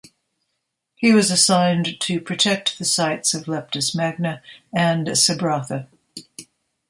He was assigned to protect the sites of Leptis Magna and Sabratha.